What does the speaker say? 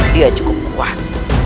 dia cukup kuat